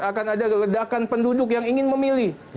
akan ada ledakan penduduk yang ingin memilih